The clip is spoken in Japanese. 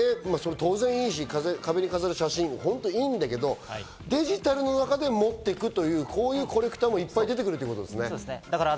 当然いいし、壁に飾る写真、本当にいいんだけど、デジタルの中で持っていくというコレクターもいっぱい出てくるってことですね。